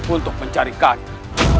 untuk mencari kanda